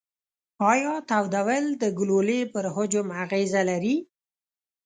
ایا تودول د ګلولې پر حجم اغیزه لري؟